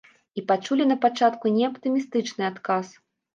І пачулі напачатку не аптымістычны адказ.